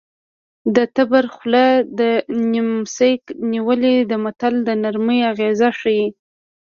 د تبر خوله نیمڅي نیولې ده متل د نرمۍ اغېز ښيي